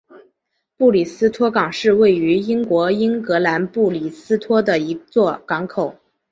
布里斯托港是位于英国英格兰布里斯托的一座港口。